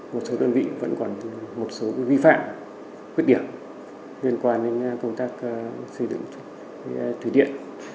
một số đơn vị vẫn còn một số vi phạm khuyết điểm liên quan đến công tác xây dựng thủy điện